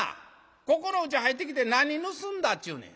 ここのうち入ってきて何盗んだっちゅうねん。